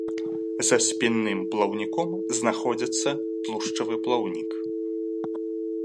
За спінным плаўніком знаходзіцца тлушчавы плаўнік.